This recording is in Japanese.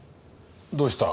どうした？